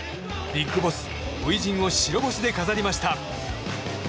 ビッグボス初陣を白星で飾りました。